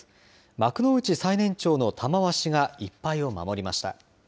幕内最年長の玉鷲が１敗を守りました。